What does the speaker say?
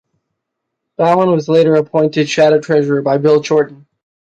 Bowen was later appointed Shadow Treasurer by Bill Shorten.